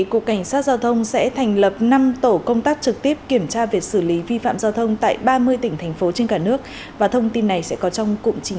cục cảnh sát giao thông sẽ thành lập năm tổ công tác trực tiếp kiểm tra việc xử lý vi phạm giao thông tại ba mươi tỉnh thành phố trên cả nước